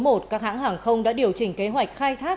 của cơn bão số một các hãng hàng không đã điều chỉnh kế hoạch khai thác